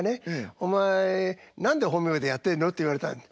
「お前何で本名でやってんの？」って言われたんです。